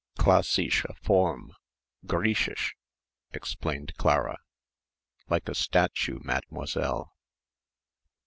"Classische Form Griechisch," explained Clara. "Like a statue, Mademoiselle."